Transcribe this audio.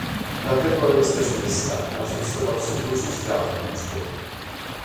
Dlatego jesteśmy zdania, że trzeba przywrócić dawne liczby